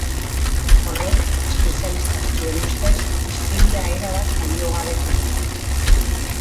Horrek, espezialista batzuen ustez, hiztegia erabat baliogabetu du.